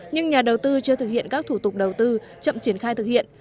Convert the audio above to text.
nhưng nhà đầu tư chưa thực hiện các thủ tục đầu tư chậm triển khai thực hiện